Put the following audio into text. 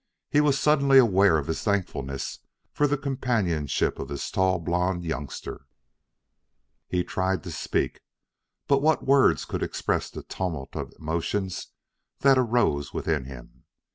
He was suddenly aware of his thankfulness for the companionship of this tall, blond youngster. He tried to speak but what words could express the tumult of emotions that arose within him?